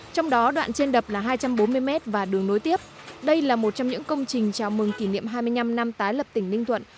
trong đó đoạn trên đập là hai trăm bốn mươi m và đường nối tiếp đây là một trong những công trình chào mừng kỷ niệm hai mươi năm năm tái lập tỉnh ninh thuận